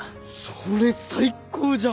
それ最高じゃん。